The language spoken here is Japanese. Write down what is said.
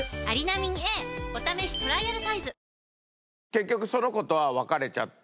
結局その子とは別れちゃって。